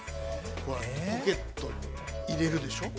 ポケットに入れるでしょ。